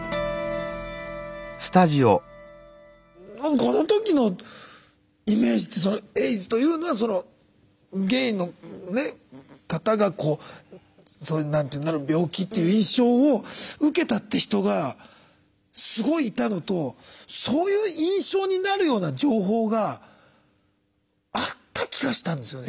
この時のイメージってエイズというのはそのゲイの方がなる病気っていう印象を受けたって人がすごいいたのとそういう印象になるような情報があった気がしたんですよね。